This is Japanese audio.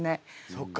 そっか。